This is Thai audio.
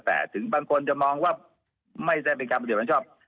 แต่ถึงบางคนจะมองว่าไม่ได้เป็นการปฏิบัติชอบ